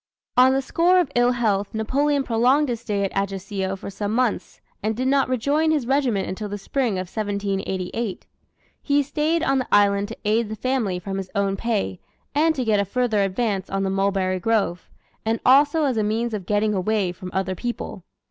On the score of ill health Napoleon prolonged his stay at Ajaccio for some months, and did not rejoin his regiment until the spring of 1788. He stayed on the island to aid the family from his own pay, and to get a further advance on the mulberry grove; and also as a means of getting away from other people.